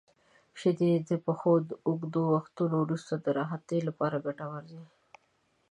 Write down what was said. • شیدې د پښو د اوږدو وختونو وروسته د راحتۍ لپاره ګټورې دي.